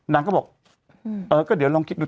นางก็บอกก็เดี๋ยวเราลองคิดดู